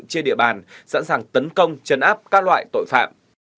trên địa bàn sẵn sàng tấn công chấn áp các loại tội phạm